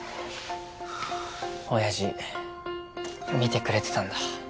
おやじ見てくれてたんだ。